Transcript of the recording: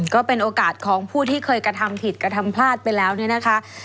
ก็เป็นโอกาสของผู้ที่เคยกระทำผิดกระทำพลาดไปแล้วเนี่ยนะคะ